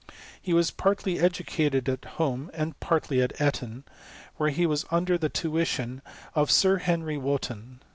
He was partly educated at liome, and partly at Eton, where he was under the (tuition of Sir Henry Wotton.